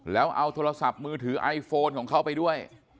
แล้วเอาโทรศัพท์มือถือไอโฟนของเขาไปด้วย